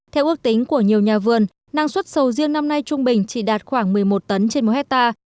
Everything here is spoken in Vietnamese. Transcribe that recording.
theo ước tính của nhiều nhà vườn năng suất sầu riêng năm nay trung bình chỉ đạt khoảng một mươi một tấn trên một hectare